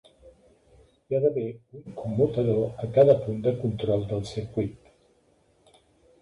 Hi ha d'haver un commutador a cada punt de control del circuit.